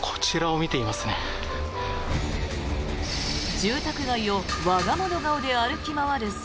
住宅街を我が物顔で歩き回る猿。